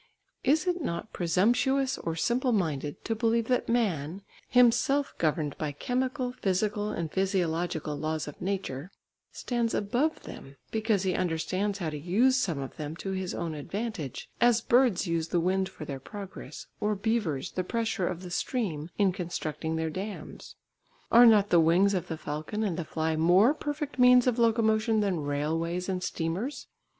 Is it not presumptuous or simple minded to believe that man, himself governed by chemical, physical, and physiological laws of nature, stands above them because he understands how to use some of them to his own advantage, as birds use the wind for their progress or beavers the pressure of the stream in constructing their dams? Are not the wings of the falcon and the fly more perfect means of locomotion than railways and steamers?